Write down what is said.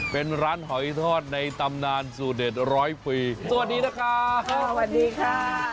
เป็นร้านหอยทอดในตำนานสูตรเด็ดร้อยปีสวัสดีนะคะสวัสดีค่ะ